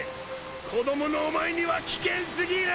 子供のお前には危険すぎる！